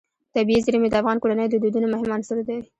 طبیعي زیرمې د افغان کورنیو د دودونو مهم عنصر دی.